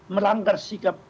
melanggar sikap impuls